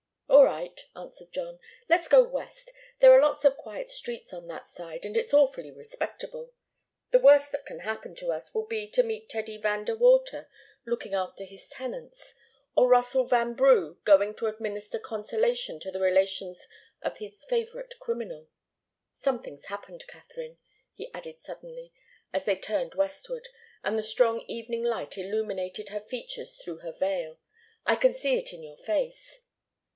"All right," answered John. "Let's go west. There are lots of quiet streets on that side, and it's awfully respectable. The worst that can happen to us will be to meet Teddy Van De Water looking after his tenants, or Russell Vanbrugh going to administer consolation to the relations of his favourite criminal. Something's happened, Katharine," he added suddenly, as they turned westward, and the strong evening light illuminated her features through her veil. "I can see it in your face."